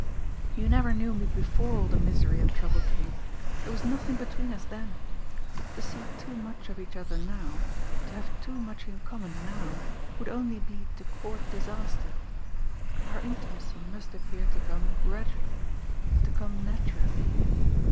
You never knew me before all the misery and trouble came there was nothing between us then. To see too much of each other now, to have too much in common now would only be to court disaster. Our intimacy must appear to come gradually, to come naturally.